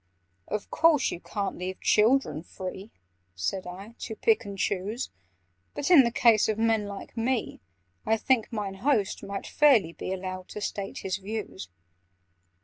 "Of course you can't leave children free," Said I, "to pick and choose: But, in the case of men like me, I think 'Mine Host' might fairly be Allowed to state his views."